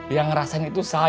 yang ngerasain itu saya